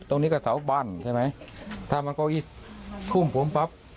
ตรงนี้ก็เสาบ้านใช่ไหมถ้ามันเก้าอี้ทุ่มผมปั๊บ